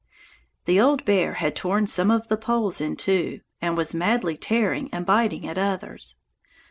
The old bear had torn some of the poles in two and was madly tearing and biting at others.